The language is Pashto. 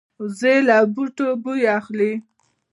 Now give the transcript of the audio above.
وزې له بوټو بوی اخلي